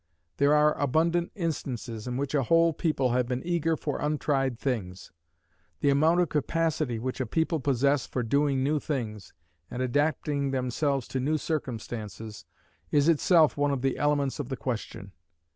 There are abundant instances in which a whole people have been eager for untried things. The amount of capacity which a people possess for doing new things, and adapting themselves to new circumstances; is itself one of the elements of the question.